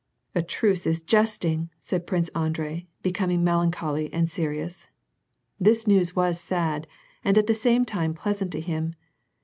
"A truce to jesting," said Prince Andrei, becoming melan choly and serious. This news was sad, and at the same time pleasant to him.